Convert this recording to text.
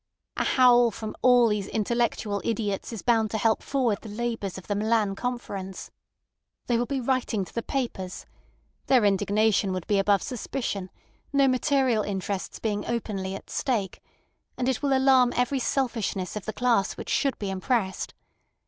A howl from all these intellectual idiots is bound to help forward the labours of the Milan Conference. They will be writing to the papers. Their indignation would be above suspicion, no material interests being openly at stake, and it will alarm every selfishness of the class which should be impressed.